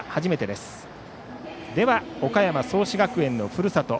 では岡山・創志学園のふるさと